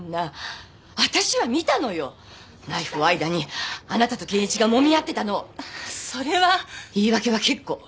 ナイフを間にあなたと謙一がもみ合ってたのをそれは⁉言い訳は結構！